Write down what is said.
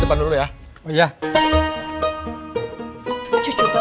amanku juga inginacingkan